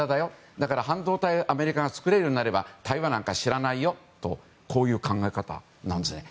だから、半導体をアメリカが作れるようになれば台湾なんか知らないよとこういう考え方なんですね。